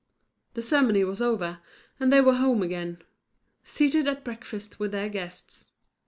The ceremony was over, and they were home again; seated at breakfast with their guests.